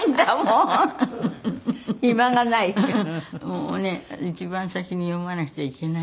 もうね一番先に読まなくちゃいけないでしょ。